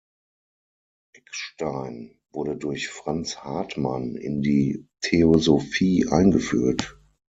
Eckstein wurde durch Franz Hartmann in die Theosophie eingeführt.